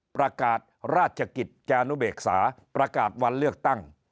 ประกาศราชกิจจานุเบกษาประกาศวันเลือกตั้ง